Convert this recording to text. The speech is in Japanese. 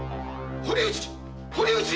堀内！